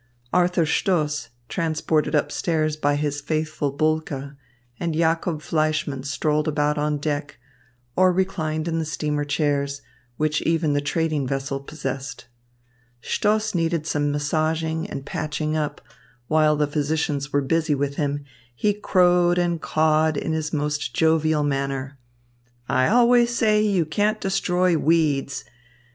Arthur Stoss, transported up stairs by his faithful Bulke, and Jacob Fleischmann strolled about on deck, or reclined in the steamer chairs, which even the trading vessel possessed. Stoss needed some massaging and patching up, and while the physicians were busy with him, he crowed and cawed in his most jovial manner: "I always say you can't destroy weeds.